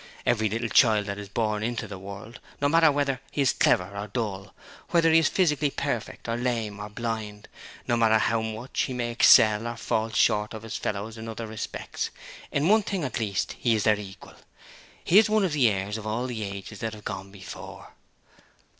Every little child that is born into the world, no matter whether he is clever or full, whether he is physically perfect or lame, or blind; no matter how much he may excel or fall short of his fellows in other respects, in one thing at least he is their equal he is one of the heirs of all the ages that have gone before.'